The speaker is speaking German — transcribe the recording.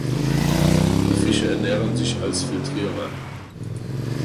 Die Fische ernähren sich als Filtrierer.